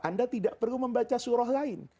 anda tidak perlu membaca surah lain